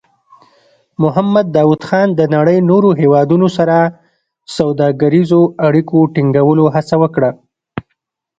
محمد داؤد خان د نړۍ نورو هېوادونو سره سوداګریزو اړیکو ټینګولو هڅه وکړه.